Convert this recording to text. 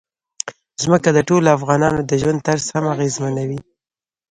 ځمکه د ټولو افغانانو د ژوند طرز هم اغېزمنوي.